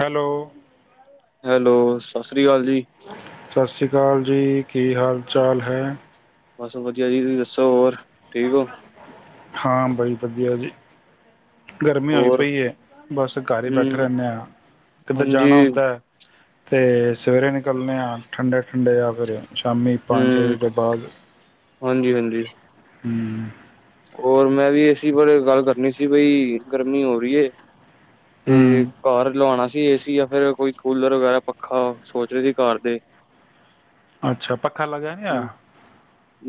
Hello. Hello ਸਤਿ ਸ੍ਰੀ ਅਕਾਲ ਜੀ। ਸਤਿ ਸ੍ਰੀ ਕਾਲ ਜੀ ਕੀ ਹਾਲ ਚਾਲ ਹੈ? ਬਸ ਵਧੀਆ ਜੀ ਤੁਸੀ ਦੱਸੋ ਹੋਰ। ਠੀਕ ਹੋ? ਹਾਂ ਬੜੀ ਵਧੀਆ ਜੀ। ਗਰਮੀ ਹੋਈ ਹੋਰ ਪਈ ਏ ਬਸ ਘਰ ਹੀ ਬੈਠੇ ਹੂੰ, ਰਹਿੰਦੇ ਆਂ। ਕਿਤੇ ਹਾਂਜੀ ਜਾਣਾ ਹੁੰਦਾ ਐ। ਤੇ ਸਵੇਰੇ ਨਿਕਲਣੇ ਆਂ ਠੰਡੇ ਠੰਡੇ ਜਾਂ ਫਿਰ ਸ਼ਾਮੀ ਪੰਜ ਛੇ ਵਜੇ ਦੇ ਬਾਅਦ। ਹਾਂਜੀ ਹਾਂਜੀ। ਹੂੰ। ਹੋਰ ਮੈਂ ਵੀ ਏਸੀ ਬਾਰੇ ਗੱਲ ਕਰਨੀ ਸੀ ਬਈ ਗਰਮੀ ਹੋ ਰਹੀ ਏ। ਤੇ ਹੂੰ ਘਰ ਲਵਾਉਣਾ ਜੀ ਏ ਸੀ ਜਾਂ ਫਿਰ ਕੋਈ ਕੂਲਰ ਵਗੈਰਾ ਪੱਖਾ ਸੋਚ ਰਹੇ ਸੀ ਘਰ ਦੇ। ਅੱਛਾ ਪੱਖਾ ਲਗਾ ਨਹੀਂ ਆ ਹੂੰ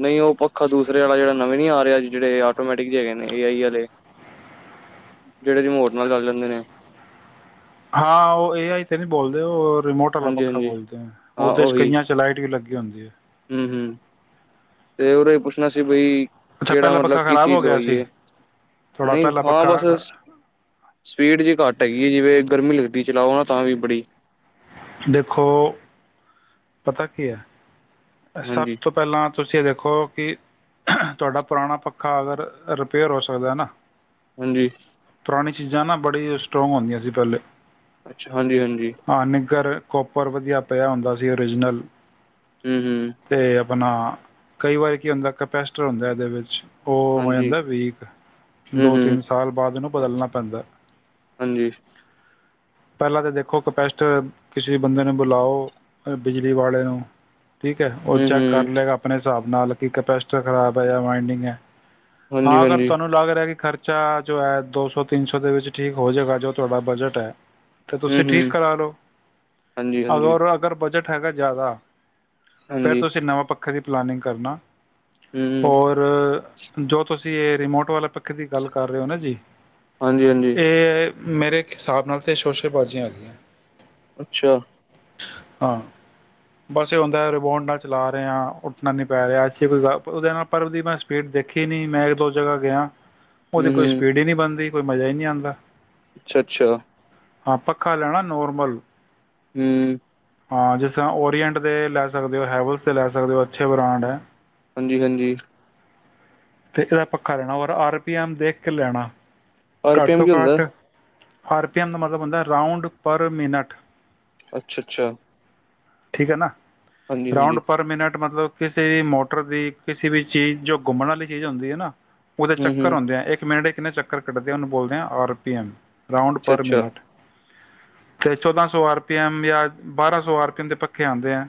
ਨਹੀਂ ਉਹ ਪੱਖਾ ਦੂਸਰੇ ਵਾਲਾ ਜਿਹੜਾ ਨਵੇਂ ਨੀ ਆ ਰਿਹਾ ਜੀ। ਜਿਹੜੇ ਆਟੋਮੈਟਿਕ ਜੇ ਹੈਗੇ ਨੇ ਏ ਆਈ ਵਾਲੇ ਜਿਹੜੇ ਰਿਮੋਟ ਨਾਲ ਚੱਲ ਜਾਂਦੇ ਨੇ। ਹਾਂ ਉਹ ਏ ਆਈ ਤੇ ਨਹੀ ਬੋਲਦੇ ਔ, ਰਿਮੋਟ ਵਾਲਾ ਪੱਖਾ ਹਾਂਜੀ-ਹਾਂਜੀ ਬੋਲਦੇ ਆ ਹਾਂ ਉਹਦੇ ਚ ਉਹੀ ਕਈਆਂ ਚ ਲਾਈਟ ਵੀ ਲੱਗੀ। ਹਾਂਜੀ ਹੂੰ-ਹੂੰ, ਤੇ ਉਹਦਾ ਹੀ ਪੁੱਛਣਾ ਸੀ ਬਈ, ਅੱਛਾ ਕਿਹੜਾ ਪਹਿਲਾ ਮਤਲਬ ਪੱਖਾ ਕੀ ਖ਼ਰਾਬ ਹੋ ਚੀਜ਼ ਗਿਆ ਸੀ ਹੋਈਏ ਥੋੜ੍ਹਾ ਨਹੀਂ ਪਹਿਲਾ ਹਾਂ ਪੱਖਾ ਬਸ ਖ- ਸਪੀਡ ਜਿਹੀ ਘੱਟ ਘੱਟ ਹੈਗੀ ਹੈ, ਜਿਵੇਂ ਗਰਮੀ ਲੱਗਦੀ ਚਲਾਓ ਨਾ ਤਾਂ ਵੀ ਬੜੀ, ਦੇਖੋ, ਪਤਾ ਕੀ ਹੈ। ਸਭ ਹਾਂਜੀ ਤੋਂ ਪਹਿਲਾਂ ਤੁਸੀਂ ਇਹ ਦੇਖੋ ਕਿ, ਤੁਹਾਡਾ ਪੁਰਾਣਾ ਪੱਖਾ ਅਗਰ ਰਿਪੇਅਰ ਹੋ ਸਕਦਾ ਨਾ। ਹਾਜੀ, ਪੁਰਾਣੀ ਚੀਜ਼ਾਂ ਨਾ ਬੜੀ ਸਟਰੋਂਗ ਹੁੰਦੀਆਂ ਸੀ ਪਹਿਲੇ ਅੱਛਾ ਹਾਂਜੀ ਹਾਂਜੀ, ਹਾਂ ਨਿੱਗਰ ਕੋਪਰ ਵਧੀਆ ਪਿਆ ਹੁੰਦਾ। ਓਰੀਜਨਲ, ਹੂੰ-ਹੂੰ, ਅਤੇ ਆਪਣਾ ਕਈ ਵਾਰੀ ਕੀ ਹੁੰਦਾ ਕਪੈਸਟਰ ਹੁੰਦਾ ਇਹਦੇ ਵਿੱਚ, ਉਹ ਹੋ ਹਾਂਜੀ ਜਾਂਦਾ ਵੀਕ ਹੂੰ ਦੋ ਹੂੰ ਤਿੰਨ ਸਾਲ ਬਾਅਦ ਉਹਨੂੰ ਬਦਲਣਾ ਪੈਂਦਾ। ਹਾਂਜੀ ਪਹਿਲਾਂ ਤਾਂ ਦੇਖੋ ਕਪੈਸਟ ਕਿਸੇ ਬੰਦੇ ਨੂੰ ਬੁਲਾਓ। ਬਿਜਲੀ ਵਾਲੇ ਨੂੰ ਠੀਕ ਹੈ ਉਹ ਹੂੰ ਚੈੱਕ ਹੂੰ ਕਰ ਲੇਗਾ ਆਪਣੇ, ਹਿਸਾਬ ਨਾਲ ਕਿ ਕੰਪਸਟਰ ਖਰਾਬ ਹੈ ਮਾਈਨਗ ਹੈ। ਹਾਂਜੀ ਹਾਂ ਅਗਰ ਹਾਂਜੀ ਤੁਹਾਨੂੰ ਲੱਗ ਰਿਹਾ ਕਿ ਖਰਚ, ਬਚਾ ਜੋ ਹੈ ਦੋ ਸੌ ਤਿੰਨ ਸੌ ਦੇ ਵਿੱਚ ਠੀਕ ਹੋ ਜਾਏਗਾ ਜੋ ਤੁਹਾਡਾ ਬਜਟ ਹੈ। ਤੇ ਹੂੰ ਤੁਸੀਂ ਹੂੰ ਠੀਕ ਕਰਾ ਲਓ ਹਾਂਜੀ ਹਾਂਜੀ ਅਗਰ ਅਗਰ, ਬਜਟ ਹੈਗਾ ਜ਼ਿਆਦਾ, ਫੇਰ ਹਾਂਜੀ ਤੁਸੀਂ ਨਵਾਂ ਪੱਖਾ, ਵੱਖਰੀ ਪਲੈਨਿੰਗ ਕਰਨਾ। ਹੂੰ ਹੋਰ, ਜੋ ਤੁਸੀਂ ਇਹ ਰਿਮੋਟ ਵਾਲੇ ਪੱ ਖੇ ਦੀ ਗੱਲ ਕਰ ਰਹੇ ਹੋ ਨਾ ਜੀ ਹਾਂਜੀ ਹਾਂਜੀ ਇਹ, ਮੇਰੇ ਹਿਸਾਬ ਨਾਲ ਤਾਂ ਸ਼ੋਸੈ ਬਾਜ਼ੀਆਂ ਆ ਗਈਆਂ। ਅੱਛਾ, ਹਾਂ ਬਸ ਇਹ ਹੁੰਦਾ ਰਿਮੋਟ ਨਾਲ ਚਲਾ ਰਹੇ ਆ ਉੱਠਣਾ ਨੀ ਪੈ ਰਿਹਾ ਐਸੀ ਕੋਈ ਉਹਦੇ ਨਾਲ ਪਰ ਉਹਦੀ ਮੈਂ ਸਪੀਡ ਦੇਖੀ ਨਹੀਂ ਮੈਂ ਇੱਕ ਦੋ ਜਗ੍ਹਾ ਗਿਆ। ਹੂੰ ਉਹਦੀ ਕੋਈ ਹੂੰ ਸਪੀਡ ਹੀ ਨਹੀਂ ਬਣਦੀ। ਕੋਈ ਮਜ਼ਾ ਹੀ ਨਹੀਂ ਆਉਂਦਾ। ਅੱਛਾ -ਅੱਛਾ ਹਾਂ ਪੱਖਾ ਲੈਣਾ ਨੋਰਮਲ। ਹਮ ਹਾਂ ਜਿਸ ਤਰ੍ਹਾਂ ਓਰੀਐਂਟ ਦੇ ਲੈ ਸਕਦੇ ਹੋ ਹੈਵਲ ਤੇ ਲੈ ਸਕਦੇ ਹੋ। ਅੱਛੇ ਬ੍ਰਾਂਡ ਹੈ। ਹਾਂਜੀ ਹਾਂਜੀ ਤੇ ਇਹਦਾ ਪੱਖਾ ਲੈਣਾ ਔਰ ਐਮਆਰਪੀ ਦੇਖ ਕੇ ਲੈਣਾ। ਆਰ ਪੀ ਐਮ ਕੀ ਹੁੰਦਾ? ਆਰਪੀਐੱਮ ਦਾ ਮਤਲਬ ਹੁੰਦਾ ਰਾਊਂਡ ਪਰ ਮਿਨਟ। ਅੱਛਾ -ਅੱਛਾ ਠੀਕ ਹੈ ਨਾ। ਹਾਂਜੀ ਹਾਂਜੀ ਰਾਊਂਂਡ ਪਰ ਮਿੰਟ ਮਤਲਬ? ਕਿਸੇ ਵੀ ਮੋਟਰ ਦੀ ਕਿਸੇ ਵੀ ਚੀਜ਼ ਜੋ ਘੁੰਮਣ ਵਾਲੀ ਚੀਜ਼ ਹੁੰਦੀ ਹੈ ਨਾ। ਉਹਦੇ ਹੂੰ ਹੂੰ ਚੱਕਰ ਹੁੰਦੇ ਆ ਇੱਕ ਮਿੰਟ। ਕਿੰਨੇ ਚੱਕਰ? ਉਹਨੂੰ ਬੋਲਦੇ ਆਰ ਪੀ ਐਮ। ਰਾਊਂਡ ਅੱਛਾ ਪਰ ਅੱਛਾ ਮਿਨਟ। ਤੇ ਚੌਦਾਂ ਸੌ ਆਰ ਪੀਐਮ ਜਾਂ ਬਾਰਾਂ ਸੌ ਆਰ ਪੀਐਮ ਦੇ ਪੱਖੇ ਆਂਦੇ ਆ।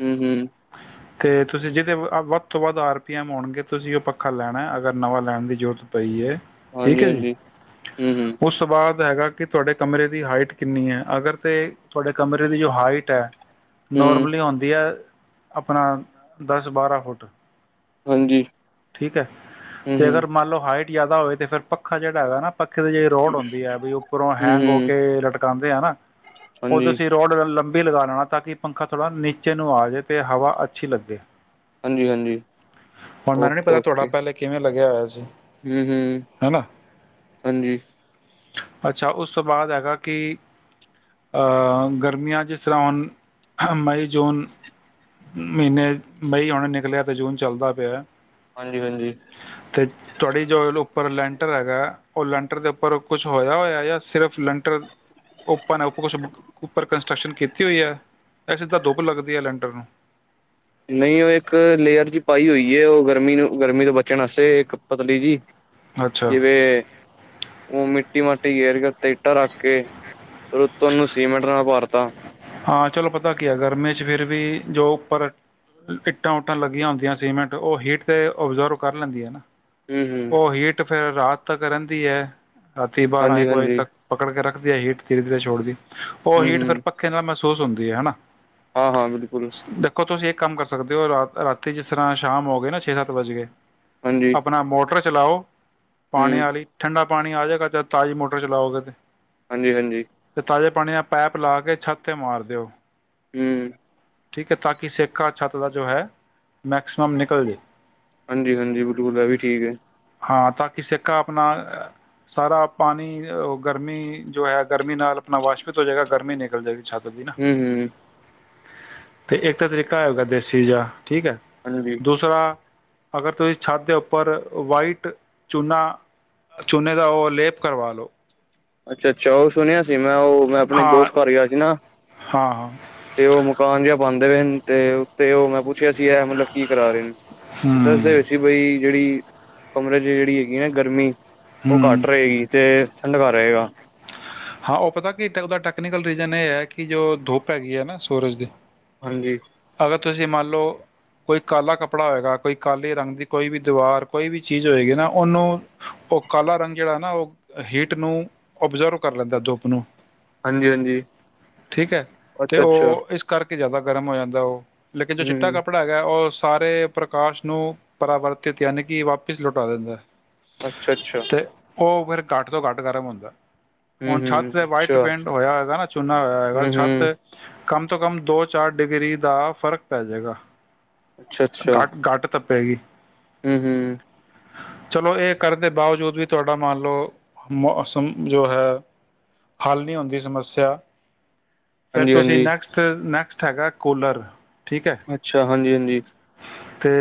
ਹਮ ਹਮ ਅਤੇ ਤੁਸੀਂ ਜਿਹਦੇ ਵੱਧ ਤੋਂ ਵੱਧ ਆਰ ਪੀ ਐੱਮ ਆਉਣਗੇ ਤੁਸੀਂ ਉਹ ਪੱਖਾ ਲੈਣਾ ਅਗਰ ਨਵਾਂ ਲੈਣ ਦੀ ਜ਼ਰੂਰਤ ਪਈ ਏ। ਠੀਕ ਹਾਂਜੀ ਏ ਜੀ ਹਾਂਜੀ ਹੂੰ ਹੂੰ ਉਸ ਤੋਂ ਬਾਅਦ ਹੈਗਾ ਕਿ ਤੁਹਾਡੇ ਕਮਰੇ ਦੀ ਹਾਈਟ ਕਿੰਨੀ ਹੈ ਅਗਰ ਤੇ ਤੁਹਾਡੇ ਕਮਰੇ ਦੀ ਜੋ ਹਾਈਟ ਹੈ ਹੂੰ ਨੋਰਮਲੀ ਹੁੰਦੀ ਹੈ। ਆਪਣਾ ਦਸ ਬਾਰਾਂ ਫੁੱਟ। ਹਾਂਜੀ ਠੀਕ ਏ ਹੂੰ ਤੇ ਹੂੰ ਅਗਰ ਮੰਨ ਲਓ ਹਾਈਟ ਜਿਆਦਾ ਹੋਵੇ ਫਿਰ ਪੱਖਾ ਜਿਹੜਾ ਹੈ ਨਾ ਪੱਖੇ ਦੀ ਜੋ ਰੋਡ ਹੁੰਦੀ ਹੈ ਵੀ ਉੱਪਰੋਂ ਹੂੰ ਹੈਂਗ ਹੋ ਹੂੰ ਕੇ ਲਟਕਾਉਂ ਹਨਾ [inaudible] ਉਹ ਹਾਂਜੀ ਤੁਸੀਂ ਰੋਡ ਨਾਲ ਲੰਮੀ ਵੀ ਲਗਾ ਲੈਣਾ ਤਾਂ ਕਿ ਪੰਖਾ ਥੋੜ੍ਹਾ ਨੀਚੇ ਨੂੰ ਆ ਜਾਵੇ ਤੇ ਹਵਾ ਅੱਛੀ ਲੱਗੇ। ਹਾਂਜੀ ਹਾਂਜੀ ਹੁਣ ਮੈਨੂੰ ਨਈ ਓਕੇ ਪਤਾ ਓਕੇ ਤੁਹਾਡਾ ਪਹਿਲੇ ਕਿਵੇਂ ਲੱਗਿਆ ਹੋਇਆ ਸੀ? ਹੂੰ-ਹੂੰ, ਹੈ ਨਾ। ਹਾਂਜੀ। ਅੱਛਾ ਉਸ ਤੋਂ ਬਾਅਦ ਹੈਗਾ ਕਿ ਅਹ ਗਰਮੀਆਂ ਜਿਸ ਤਰ੍ਹਾਂ ਹੁਣ। ਮਈ, ਜੂਨ ਮਹੀਨੇ ਮਈ ਹੁਣ ਨਿਕਲਿਆ ਤੇ ਜੂਨ ਚੱਲਦਾ ਪਿਆ। ਹਾਂਜੀ-ਹਾਂਜੀ। ਤੇ ਤੁਹਾਡੀ ਜੋ ਉੱਪਰ ਲੈਂਟਰ ਹੈਗਾ। ਉਹ ਲੈਂਟਰ ਦੇ ਉੱਪਰ ਕੁੱਛ ਹੋਇਆ ਹੋਇਆ ਜਾਂ ਸਿਰਫ, ਲੈਂਟਰ ਉੱਪਰ ਨੇ ਉੱਪ ਕੁਛ ਉੱਪਰ ਕੰਸਟਰਕਸ਼ਨ ਕੀਤੀ ਹੋਈ ਹੈ, ਇਹ ਸਿੱਧਾ ਦੁੱਪ ਲੱਗਦੀ ਹੈ ਲੈਂਟਰ ਨੂੰ ਨਹੀਂ ਉਹ ਇੱਕ ਲੇਅਰ ਚ ਪਾਈ ਹੋਈ, ਉਹ ਗਰਮੀ ਨੂੰ ਗਰਮੀ ਤੋਂ ਬਚਣ ਵਾਸਤੇ ਇੱਕ ਪਤਲੀ ਜੀ, ਅੱਛਾ ਜਿਵੇ ਉਹ ਇਟੀ ਮਟੀ ਰਗਤ ਇਟਾ ਰੱਖ ਕੇ, ਉਤੋ ਉਹਨੂੰ ਸੀਮੈਂਟ ਨਾਲ ਭਰਤਾ, ਹਾਂ ਚਲੋ ਪਤਾ ਕੀ ਹੈ, ਗਰਮੀ ਚ ਫਿਰ ਵੀ ਜੋ ਉੱਪਰ ਇੱਟਾਂ ਉੱਟਾਂ ਲੱਗੀਆਂ ਹੁੰਦੀਆਂ ਸੀਮੈਂਟ ਉਹ ਹੀਟ ਤੇ ਓਬਜ਼ਰਵ ਕਰ ਲੈਂਦੀ ਹੈ ਨਾ, ਹੂੰ-ਹੂੰ, ਉਹ ਹੀਟ ਫੇਰ, ਰਾਤ ਤਾਂ ਕਰਨ ਦੀ ਹੈ, ਰਾਤੀ ਬਾਰਾਂ ਇੱਕ ਵਜੇ ਹਾਂਜੀ-ਹਾਂਜੀ, ਤੱਕ ਪਕੜ ਕੇ ਰੱਖ। ਵਧੀਆ ਹੀਟ ਧੀਰੇ ਧੀਰੇ ਛੋੜਦੀ, ਉਹ ਹੀਟ ਫਿਰ ਪ ਮਹਿਸੂਸ ਹੁੰਦੀ ਹੈ ਹਨਾ। ਹਾਂ ਹਾਂ ਬਿਲਕੁਲ, ਦੇਖੋ ਤੁਸੀਂ ਇੱਕ ਕੰਮ ਕਰ ਸਕਦੇ ਹੋ ਰਾ ਰਾਤੀ ਜਿਸ ਤਰ੍ਹਾਂ ਸ਼ਾਮ ਹੋ ਗਏ ਨਾ ਛੇ ਸੱਤ ਵੱਜ ਗਏ। ਹਾਂਜੀ। ਆਪਣਾ ਮੋਟਰ, ਚਲਾਓ, ਪਾਣੀ ਹੂੰ, ਵਾਲੀ ਠੰਡਾ, ਪਾਣੀ ਆ ਜਾਏਗਾ ਤਾਜ਼ੀ ਮੋਟਰ ਚਲਾਓਗੇ ਤੇ, ਹਾਂਜੀ ਹਾਂਜੀ, ਤੇ ਤਾਜ਼ੇ ਪਾਣੀ ਦਾ ਪੈਪ ਲਾ ਕੇ, ਛੱਤ ਤੇ ਮਾਰ ਦਿਓ। ਹੂੰ, ਠੀਕ ਹੈ ਤਾਂਕ ਸਿੱਕਾ ਛਾਤ ਦਾ ਜੋ ਹੈ। ਮੈਕਸੀਮਮ ਨਿਕਲ ਜੇ ਹਾਂਜੀ ਹਾਂਜੀ, ਬਿਲਕੁ ਦਾ ਵੀ ਠੀਕ ਹੈ। ਹਾਂ, ਤਾਂ ਕਿ ਸਿੱਕਾ ਆਪਣਾ ਸਾਰਾ ਪਾਣੀ ਗਰਮੀ ਜੋ ਹੈ। ਗਰਮੀ ਨਾਲ ਆਪਣਾ ਵਾਸ਼ਪਿਤ ਹੋ ਜਾਏਗਾ, ਗਰਮੀ ਨਿਕਲ ਜਾਏਗੀ ਛੱਤ ਦੀ ਨਾ ਹੂੰ-ਹੂੰ। ਤੇ ਇੱਕ ਤਾਂ ਤਰੀਕਾ ਹੈ ਦੇਸ਼, ਸੀਜਾ, ਠੀਕ ਹੈ ਹਾਂਜੀ, ਦੂਸਰਾ, ਅਗਰ ਤੁਸੀਂ ਛੱਤ ਦੇ ਉੱਪਰ ਵਾਈਟ ਚੁੱਲਾ ਚੂਨੇ ਦਾ ਉਹ ਲੇਪ ਕਰਵਾ ਲਓ। ਅੱਛਾ-ਅੱਛਾ, ਉਹ ਸੁਣਿਆ ਸੀ। ਮੈਂ ਉਹ ਮੈਂ ਆਪਣੇ ਦੋਸਤ ਹਾਂ ਘਰ ਗਿਆ ਸੀ, ਨਾ ਹਾਂ ਹਾਂ ਤੇ ਉਹ ਮਕਾਨ ਜਿਹਾ ਬੰਦ [unintelligible] ਤੇ-ਤੇ ਓ ਮੈਂ ਪੁੱਛਿਆ ਸੀ ਐ ਮਤਲਬ ਕੀ ਕਰਾ ਰੇ ਨੇ ਦੱਸਦੇ ਪਏ ਹੂੰ ਸੀ ਬਈ ਜਿਹੜੀ ਕਮਰੇ ਚ ਜਿਹੜੀ ਹੈਗੀ ਆ ਨਾ ਗਰਮੀ ਓ ਹੂੰ ਘੱਟ ਰਏਗੀ ਤੇ [unintelligible] ਰਏਗਾ ਹਾਂ ਉਹ ਪਤਾ ਕੀ ਟ ਉਹਦਾ ਟੈਕਨੀਕਲ ਰੀਜਨ ਏ ਐ ਕਿ ਜੋ ਦੁਪ ਹੈਗੀ ਐ ਨਾ ਸੂਰਜ ਦੀ ਹਾਂਜੀ। ਤਾਂ ਤੁਸੀਂ ਮੰਨ ਲੌ ਕੋਈ ਕਾਲਾ ਕੱਪੜਾ ਹੋਏਗਾ ਕੋਈ ਕਾਲੀ ਰੰਗ ਦੀ ਕੋਈ ਵੀ ਦੀਵਾਰ ਕੋਈ ਵੀ ਚੀਜ਼ ਹੋਏਗੀ ਨਾ ਉਹਨੂੰ ਓ ਕਾਲਾ ਰੰਗ ਜਿਹੜਾ ਨਾ ਓ ਹੀਟ ਨੂੰ ਓਬਜ਼ਰਵ ਕਰ ਲੈਂਦਾ ਦੂਪ ਨੂੰ। ਹਾਂਜੀ ਹਾਂਜੀ ਠੀਕ ਐ ਤੇ ਅੱਛਾ ਓ ਅੱਛਾ ਇਸ ਕਰਕੇ ਜਾਦਾ ਗਰਮ ਹੋ ਜਾਂਦਾ ਓ ਲੇਕਿਨ ਜੋ ਚਿੱਟਾ ਹਮ ਕੱਪੜਾ ਹੈਗਾ ਓ ਸਾਰੇ ਪ੍ਰਕਾਸ਼ ਨੂੰ ਪਰਾਵਰਤਿਤ ਯਾਨੀ ਕਿ ਵਾਪਿਸ ਲੁਟਾ ਦਿੰਦੈ ਅੱਛਾ-ਅੱਛਾ ਓ ਫਿਰ ਘੱਟ ਤੋਂ ਘੱਟ ਗਰਮ ਹੁੰਦਾ। ਹਮ ਹੁਣ ਛੱਤ ਹਮ ਤੇ ਵਾਈਟ ਅੱਛਾ ਪੇਂਟ ਹੋਇਆ ਹੋਏਗਾ ਨਾ ਚੂਨਾ ਹੋਇਆ ਹੋਏਗਾ ਹਮ ਛੱਤ ਹਮ ਕਮ ਤੋਂ ਕਮ ਦੋ ਚਾਰ ਡਿਗਰੀ ਦਾ ਫ਼ਰਕ ਪੈ ਜੇਗਾ। ਗਟ ਗਟ ਤ ਪੈਗੀ। ਹੂੰ-ਹੂੰ ਚਲੋ ਏਕਰਨ ਦੇ ਬਾਵਜੂਦ ਵੀ ਤੁਹਾਡਾ ਮੰਨ ਲੌ ਮੌਸਮ ਜੋ ਹੈ ਹੱਲ ਨਹੀਂ ਹੁੰਦੀ ਸਮੱਸਿਆ ਫੇਰ ਹਾਂਜੀ ਤੁਸੀਂ ਹਾਂਜੀ ਨੈਕਸਟ ਨੈਕਸ [unintelligible] ਹੈਗਾ ਕੂਲਰ ਠੀਕ ਹੈ ਅੱਛਾ। ਹਾਂਜੀ-ਹਾਂਜੀ ਤੇ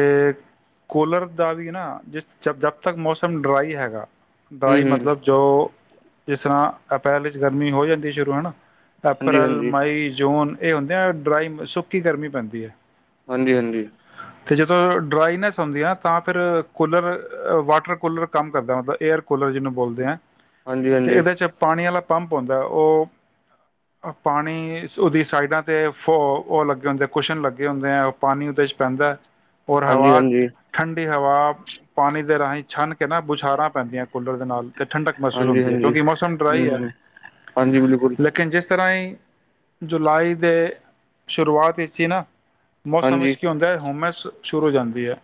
ਕੋਲਰ ਦਾ ਵੀ ਨਾ ਜਿਸ ਜਦ ਤੱਕ ਮੌਸਮ ਡਰਾਈ ਹੈਗਾ ਹਮ ਡਰਾਈ ਹਮ ਮਤਲਬ ਜੋ ਜਿਸ ਤਰ੍ਹਾਂ ਅਪ੍ਰੈਲ ਵਿੱਚ ਗਰਮੀ ਹੋ ਜਾਂਦੀ ਸ਼ੁਰੂ ਹਨਾ। ਹਾਂਜੀ ਅਪ੍ਰੈਲ, ਹਾਂਜੀ ਮਈ, ਜੂਨ ਏ ਹੁੰਦੇ ਆ ਡਰਾਈ ਸੁੱਕੀ ਗਰਮੀ ਪੈਂਦੀ ਐ ਹਾਂਜੀ-ਹਾਂਜੀ ਤੇ ਜਦੋਂ ਡਰਾਈਨੈਸ ਹੁੰਦੀ ਐ ਤਾਂ ਫਿਰ ਕੂਲਰ ਵਾਟਰ ਕੂਲਰ ਕੰਮ ਕਰਦਾ ਮਤਲਬ ਏਅਰ ਕੂਲਰ ਜਿਹਨੂੰ ਬੋਲਦੇ ਐ ਹਾਂਜੀ ਤੇ ਇਹਦੇ ਹਾਂਜੀ ਚ ਪਾਣੀ ਆਲਾ ਪੰਪ ਹੁੰਦਾ ਓ ਪਾਣੀ ਸ ਓਦੀ ਸਾਈਡਾਂ ਤੇ ਫੋ ਓ ਲੱਗੇ ਹੁੰਦੇ ਕੁਸ਼ਨ ਲੱਗੇ ਹੁੰਦੇ ਐ ਪਾਣੀ ਉਦੇ ਚ ਪੈਂਦਾ ਹੋਰ ਹਾਂਜੀ ਹਵਾ ਹਾਂਜੀ ਠੰਡੀ ਹਵਾ ਪਾਣੀ ਦੇ ਰਾਹੀਂ ਛਨ ਕੇ ਨਾ ਬੁਛਾਰਾਂ ਪੈਂਦੀਆਂ ਕੂਲਰ ਦੇ ਨਾਲ। ਅਤੇ ਠੰਡਕ ਮਹਿਸੂਸ ਹਾਂਜੀ ਹੁੰਦੀ ਏ ਹਾਂਜੀ ਕਿਉਂਕਿ ਮੌਸਮ ਡਰਾਈ ਹਮ ਹੈ ਹਮ ਹਾਂਜੀ ਬਿਲਕੁਲ ਲੇਕਿਨ ਜਿਸ ਇਸ ਤਰ੍ਹਾਂ ਈ ਜੁਲਾਈ ਦੇ ਸ਼ੁਰੁਆਤ ਵਿੱਚ ਹੀ ਨਾ ਮੌਸਮ ਹਾਂਜੀ ਹੋਮਸ ਸ਼ੁਰੂ ਹੋ ਜਾਂਦੀ ਹੈ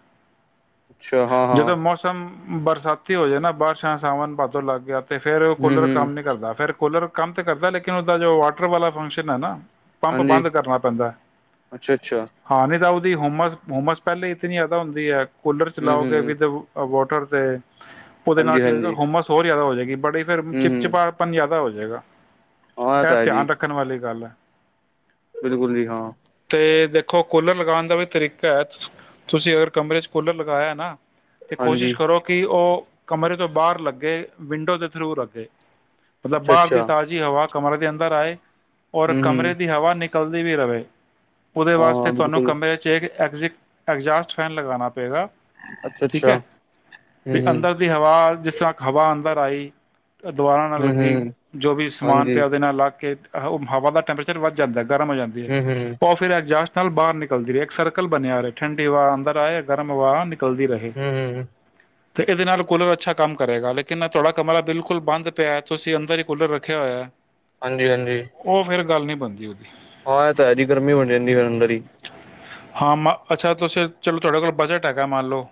ਅੱਛਾ ਹਾਂ ਹਾਂ ਜਦੋਂ ਮੌਸਮ ਬਰਸਾਤੀ ਹੋ ਜਾਏ ਨਾ ਬਾਰਸ਼ਾ ਸਾਵਨ ਭਾਦੋਂ ਲੱਗ ਗਿਆ ਅਤੇ ਫਿਰ ਹਮ ਕੂਲਰ ਹਮ ਕੰਮ ਨਹੀਂ ਕਰਦਾ ਫਿਰ ਕੁਲਰ ਕੰਮ ਤਾਂ ਕਰਦਾ ਲੇਕਿਨ ਉਹਦਾ ਜੋ ਵਾਟਰ ਵਾਲਾ ਫੰਕਸ਼ਨ ਹੈ ਨਾ ਪੰਪ ਹਾਂਜੀ ਬੰਦ ਕਰਨਾ ਪੈਂਦਾ ਅੱਛਾ ਅੱਛਾ ਹਾਂ ਨਹੀਂ ਤਾਂ ਉਹ ਦੀ ਹੋਮਸ ਹੋਮਸ ਪਹਿਲਾਂ ਹੀਂ ਇਨੀ ਜ਼ਿਆਦਾ ਹੁੰਦੀ ਏ। ਕੂਲਰ ਹਮ ਚਲਾਓਗੇ ਹਮ ਵਿਦ ਵ [unintelligible] ਉਹਦੇ ਨਾਲ ਹਾਂਜੀ ਕੀ ਹੋਏਗਾ ਹਾਂਜੀ ਹੋਮਸ ਹੋਰ ਜ਼ਿਆਦਾ ਹੋ ਜਾਏਗਾ ਬੜੇ ਫੇਰ ਹਮ ਚਿਪ ਹਮ ਚਿਪਾਪਨ ਜ਼ਿਆਦਾ ਹੋ ਜਾ ਜਗਾ ਹਾਂ ਇਹ ਤਾਂ ਹੈ ਜੀ ਧਿਆਨ ਰੱਖਣ ਵਾਲੀ ਗੱਲ ਏ। ਬਿਲਕੁਲ ਜੀ ਹਾਂ। ਦੇਖੋ ਕੂਲਰ ਲਗਾਉਣ ਦਾ ਵੀ ਤਰੀਕਾ ਏ ਤੁਸੀਂ ਅਗਰ ਕਮਰੇ ਚ ਕੂਲਰ ਲਗਾਇਆ ਏ ਨਾ ਤੇ ਹਾਂਜੀ ਕੋਸ਼ਿਸ਼ ਕਰੋ ਕਿ ਉਹ ਕਮਰੇ ਤੋਂ ਬਾਹਰ ਲੱਗੇ ਵਿੰਡੋ ਦੇ ਥਰੂ ਲੱਗੇ। ਮਤਲਬ ਅੱਛਾ ਬਾਹਰ ਅੱਛਾ ਦੀ ਤਾਜ਼ੀ ਹਵਾ ਕਮਰੇ ਦੇ ਅੰਦਰ ਆਏ। ਔਰ ਹੂੰ ਹੂੰ ਕਮਰੇ ਦੀ ਹਵਾ ਨਿਕ ਨਿਕਲਦੀ ਵੀ ਰਹੇ ਉਹਦੇ ਵਾਸਤੇ ਹਾਂ ਤੁਹਾਨੂੰ ਬਿਲਕੁਲ ਕਮਰੇ ਐਗਜਾਸਟ ਫੈਨ ਲਗਾਨਾ ਤਾਂ ਪਏਗਾ ਅੱਛਾ ਠੀਕ ਅੱਛਾ ਏ ਹੂੰ ਵੀ ਹੂੰ ਅੰਦਰ ਦੀ ਹਵਾ ਜਿਸ ਤਰ੍ਹਾਂ ਹਵਾ ਅੰਦ ਆਈ ਦੁਬਾਰਾਂ ਨਾਲ ਹੂੰ ਲੱਗੀ ਹੂੰ ਜੋ ਵੀ ਸਮਾਨ ਹਾਂਜੀ ਪਿਆ ਉਹਦੇ ਨਾਲ ਲੱਗ ਕੇ। ਉਹ ਹਵਾ ਦਾ ਟੈਂਪਰੇਚਰ ਵੱਧ ਜਾਂਦਾ। ਗਰਮ ਹੋ ਜਾਂਦੀ ਏ ਹੂੰ ਹੂੰ ਉਹ ਫਿਰ ਐਜਸਟ ਨਾਲ ਬਾਹਰ ਨਿਕਲ [unintelligible] ਸਰਕਲ ਬਣਿਆ ਰਹੇ। ਠੰਡੀ ਹਵਾ ਅੰਦਰ ਆਏ ਗਰਮ ਹਵਾ ਨਿਕਲ ਨਿਕਲਦੀ ਰਹੇ। ਹੂੰ ਹੂੰ ਤੇ ਇਹਦੇ ਨਾਲ ਕੂਲਰ ਅੱਛਾ ਕੰਮ ਕਰੇਗਾ ਲੇਕਿਨ ਤੁਹਾਡਾ ਕਮਰਾ ਬਿਲਕੁਲ ਬੰਦ ਪਿਆ। ਤੁਸੀਂ ਅੰਦਰ ਹੀ ਕੂਲਰ ਰੱਖਿਆ ਹੋਇਆ ਹੈ। ਹਾਂਜੀ ਹਾਂਜੀ ਉਹ ਫੇਰ ਗੱਲ ਨੀ ਬਣਦੀ। [inaudible] ਹਾਂ ਇਹ ਤਾਂ ਹੈ ਜੀ ਗਰਮੀ ਬਣੀ ਜਾਂਦੀ ਫਿਰ ਅੰਦਰ ਹੀ। ਹਾਂ। ਮ ਅੱਛਾ ਤੁਸੀ ਚਲੋ ਤੁਹਾਡੇ ਕੋਲ ਬਜਟ ਹੈਗਾ ਮੰਨ ਲਓ।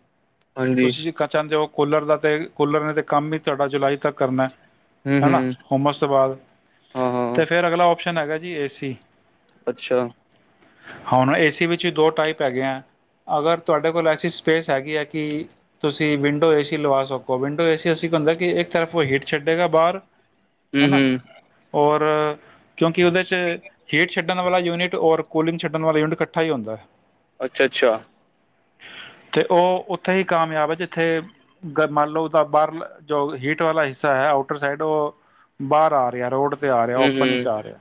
ਹਾਂਜੀ ਤੁਸੀਂ [unintelligible] ਹੋ ਕੂਲਰ ਦਾ ਤੇ ਕੂਲਰ ਨੇ ਤੇ ਕੰਮ ਵੀ ਤੁਹਾਡਾ ਜੁਲਾਈ ਤੱਕ ਕਰਨਾ। ਹੂੰ ਹੂੰ ਹੈਣਾ, ਹੁਮਸ ਤੋਂ ਬਾਅਦ ਹਾਂ ਹਾਂ ਤੇ ਫੇਰ ਅਗਲਾ [unintelligible] ਹੈਗਾ ਜੀ ਏ ਸੀ। ਅੱਛਾ। ਹੁਣ ਏਸੀ ਵਿੱਚ ਦੋ ਟਾਈਪ ਹੈਗੇ ਆ। ਅਗਰ ਤੁਹਾਡੇ ਕੋਲ ਐਸੀ ਸਪੇਸ ਹੈਗੀ ਹੈ ਕਿ ਤੁਸੀਂ ਵਿੰਡੋ ਏਸੀ ਲਵਾ ਸਕੋ। ਵਿੰਡੋ ਏਸੀ ਅਸੀਂ ਕੀ ਹੁੰਦਾ ਕਿ ਇੱਕ ਤਰਫ ਉਹ ਹੀਟ ਛੱਡੇਗਾ ਬਾਹਰ ਹੂੰ ਹੈਣਾ ਹੂੰ ਹੋਰ। ਹੰ ਕਿਉਂਕਿ ਉਹਦੇ ਚ ਹੀਟ ਛੱਡਣ ਵਾਲਾ ਯੂਨਿਟ ਔਰ ਕੂਲਿੰਗ ਛੱਡਣ ਵਾਲਾ ਯੂਨਿਟ ਕ ਇਕੱਠਾ ਹੀ ਹੁੰਦਾ ਹੈ। ਅੱਛਾ, ਅੱਛਾ। ਤੇ ਉਹ ਉੱਥੇ ਹੀ ਕਾਮਯਾਬ ਹੈ ਜਿੱਥੇ ਮੰਨ ਲਓ ਓਦਾ ਬਾਹਰਲਾ ਜੋ ਹੀਟ ਵਾਲਾ ਹਿੱਸਾ ਹੈ ਆਊਟਰ ਸਾਈਡ ਉਹ ਬਾਹਰ ਆ ਰਿਹਾ ਰੋਡ ਤੇ ਆ ਰਿਹਾ ਹੂੰ ਓਪਨ ਇਚ ਹੂੰ ਆ ਰਿਹਾ।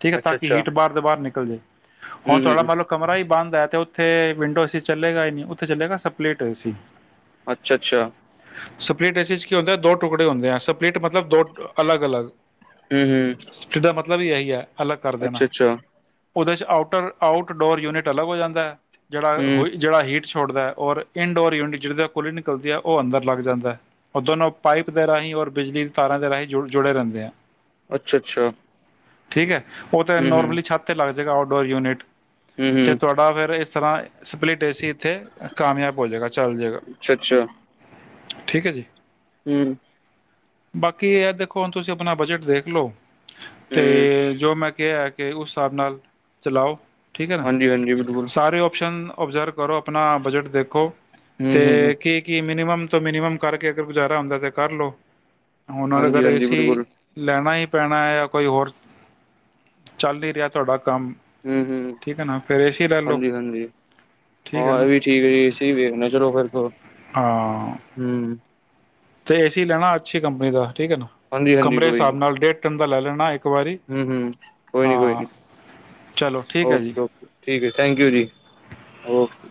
ਠੀਕ ਹੈ, ਤਾਂ ਅੱਛਾ ਕਿ ਅੱਛਾ ਹੀਟ ਬਾਰ ਦੇ ਬਾਰ ਨਿਕਲ [unintelligible] ਹੂੰ ਹੁਣ ਤੁਹਾਡਾ ਹੂੰ ਮਤਲਬ ਕਮਰਾ ਹੀ ਬੰਦ ਐ ਤੇ ਉੱਥੇ ਵਿੰਡੋ ਏਸੀ ਚੱਲੇਗਾ ਹੀ ਨਹੀਂ। ਉੱਥੇ ਚੱਲਗਾ ਸਪਲਿਟ ਏਸੀ। ਅੱਛਾ, ਅੱਛਾ। ਸਪਲਿਟ ਇਸ ਚ ਕੀ ਹੁੰਦਾ ਦੋ ਟੁਕੜੇ ਹੁੰਦੇ ਆ। ਸਪਲਿਟ ਮਤਲਬ ਦੋ ਅਲੱਗ ਅਲੱਗ ਹੂੰ, ਹੂੰ। ਮਤਲਬ ਇਹੀ ਹੈ। ਅਲੱਗ ਕਰ ਦੇਨਾ। ਅੱਛਾ ਅੱਛਾ ਉਹਦੇ ' ਚ ਆਊਟਰ ਆਊਟ ਡੋਰ ਯੂਨਿਟ ਅਲੱਗ ਹੋ ਜਾਂਦਾ ਐ। ਹੂੰ ਜਿਹੜਾ ਜਿਹੜਾ ਹੀਟ ਚ ਛੋੜਦਾ ਹੈ। ਔਰ ਇਨਡੋਰ ਯੂਨਿਟ ਜਿਦੇ ਕੂਲਿੰਗ ਨਿਕਲਦੀ ਹੈ ਉਹ ਅੰਦਰ ਲੱਗ ਜਾਂਦਾ ਹੈ। ਦੋਨੋਂ ਪਾਈਪ ਦੇ ਰਾਹੀਂ ਔਰ ਬਿਜਲੀ ਦੀ ਤਾਰਾਂ ਦੇ ਰਾਹੀਂ ਜੁੜੇ ਰਹਿੰਦੇ ਹੈ। ਅੱਛਾ, ਅੱਛਾ। ਠੀਕ ਹੈ। ਉਹ ਤੇ ਹੂੰ ਹੂੰ ਨੋਰਮਲੀ ਛੱਤ ਤੇ ਲੱਗਦਾ [unintelligible] ਆਊਟਡੋਰ ਯੂਨਿਟ ਹੂੰ ਤੇ ਹੂੰ ਤੁਹਾਡਾ ਫੇਰ ਇਸ ਤਰ੍ਹਾਂ ਸਪਲਿਟ ਏ ਸੀ ਕਾਮਯਾਬ ਹੋ ਜਾਏਗਾ ਚੱਲ ਜਾਏਗਾ ਅੱਛਾ ਅੱਛਾ ਠੀਕ ਹੈ ਜੀ ਹੂੰ ਬਾਕੀ ਇਹ ਦੇਖੋ ਹੁਣ ਤੁਸੀਂ ਆਪਣਾ ਬਜਟ ਦੇਖ ਲਓ ਤੇ ਜੋ ਮੈਂ ਕਿਹਾ ਹੈ ਕਿ ਉਸ ਹਿਸਾਬ ਨਾਲ ਚਲਾਓ ਠੀਕ ਹੈ ਨਾ ਹਾਂਜੀ ਹਾਂਜੀ ਬਿਲਕੁਲ ਸਾਰੇ ਓਪਸ਼ਨ ਓਬਜ਼ਰਵ ਕਰੋ ਆਪਣਾ ਬਜਟ ਦੇਖੋ ਹੂੰ ਤੇ ਹੂੰ ਕੀ ਕੀ ਮਿਨੀਮਮ ਤੋਂ ਮਿਨੀਮਮ ਕਰਕੇ ਅਗਰ ਗੁਜ਼ਾਰਾ ਹੁੰਦਾ ਤੇ ਕਰ ਲੋ ਹੁਣ ਹਾਂਜੀ ਅਗਰ ਏ ਹਾਂਜੀ ਸੀ ਬਿਲਕੁਲ ਲੈਣਾ ਏ ਪੈਣਾ ਜਾਂ ਕੋਈ ਹੋਰ ਚੱਲ ਹੀ ਰਿਹਾ ਤੁਹਾਡਾ ਕੰਮ ਹੂੰ ਹੂੰ ਠੀਕ ਹੈ ਨਾ ਫਿਰ ਏ ਸੀ ਲੈ ਲਓ ਹਾਂਜੀ ਹਾਂਜੀ ਠੀਕ ਹੈ ਹਾਂ ਇਹ ਨਾ ਵੀ ਠੀਕ ਏ ਸੀ ਵੇਖਦੇ ਚਲੋ ਫ਼ਿਰ ਹੂੰ ਤੇ ਏ ਸੀ ਲੈਣਾ ਅੱਛੀ ਕੰਪਨੀ ਦਾ ਠੀਕ ਹੈ ਨਾ ਕਮਰੇ ਹਿਸਾਬ ਨਾਲ ਡੇਢ ਟਨ ਦਾ ਲੈ ਲੈਣਾ ਇੱਕ ਵਾਰੀ ਹੂੰ ਹੂੰ ਕੋਈ ਨੀ ਕੋਈ ਹਾਂ ਨੀ ਚਲੋ ਠੀਕ ਹੈ ਜੀ ਓਕੇ-ਓਕੇ ਠੀਕ ਹੈ ਥੈਂਕ ਯੂ ਜੀ ਓਕੇ